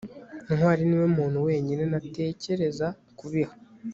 ntwali niwe muntu wenyine natekereza kubiha